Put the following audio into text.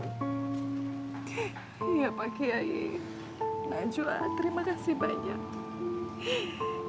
iya pak kyai najwa terima kasih banyak